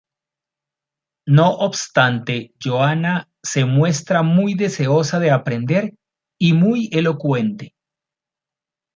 No obstante Johanna se muestra muy deseosa de aprender y muy elocuente.